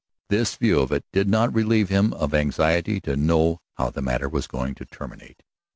This view of it did not relieve him of anxiety to know how the matter was going to terminate.